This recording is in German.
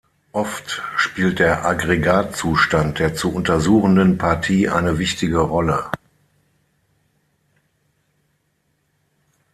Oft spielt der Aggregatzustand der zu untersuchenden Partie eine wichtige Rolle.